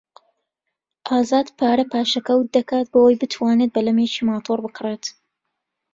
ئازاد پارە پاشەکەوت دەکات بۆ ئەوەی بتوانێت بەلەمێکی ماتۆڕ بکڕێت.